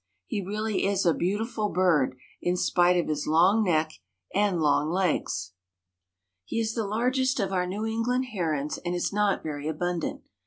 He really is a beautiful bird in spite of his long neck and long legs. He is the largest of our New England herons and is not very abundant.